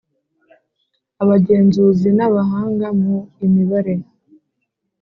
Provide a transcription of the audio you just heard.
Abagenzuzi n abahanga mu imibare